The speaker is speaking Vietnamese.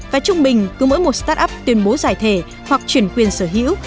và trung bình cứ mỗi một start up tuyên bố giải thể hoặc chuyển quyền sở hữu